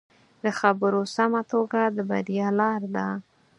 د خبرو سمه توګه د بریا لاره ده